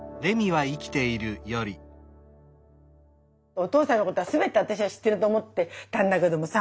お父さんのことは全て私は知ってると思ってたんだけどもさ